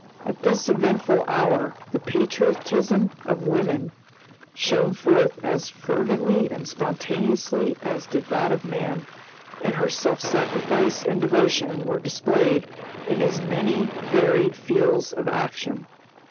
At this eventful hour the patriotism of woman shone forth as fervently and spontaneously as did that of man; and her self sacrifice and devotion were displayed in as many varied fields of action.